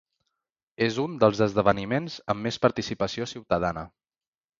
És un dels esdeveniments amb més participació ciutadana.